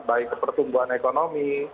baik kepertumbuhan ekonomi